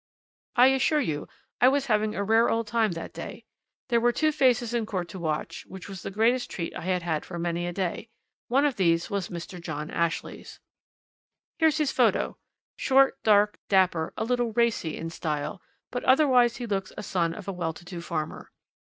I assure you I was having a rare old time that day. There were two faces in court to watch which was the greatest treat I had had for many a day. One of these was Mr. John Ashley's. "Here's his photo short, dark, dapper, a little 'racy' in style, but otherwise he looks a son of a well to do farmer.